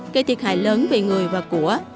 gây thiệt hại lớn về người và của